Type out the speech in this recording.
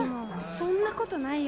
そんなことないよ。